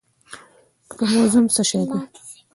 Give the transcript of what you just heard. کروموزوم څه شی دی